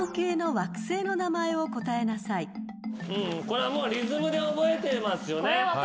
これはリズムで覚えてますよね。